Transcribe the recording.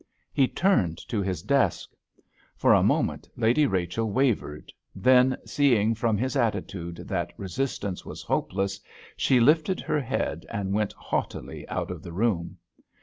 He turned to his desk. For a moment Lady Rachel wavered, then, seeing from his attitude that resistance was hopeless, she lifted her head and went haughtily out of the room.